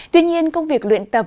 tuy nhiên công việc luyện tập